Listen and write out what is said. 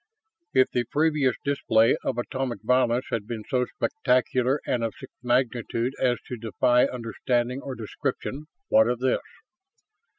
If the previous display of atomic violence had been so spectacular and of such magnitude as to defy understanding or description, what of this?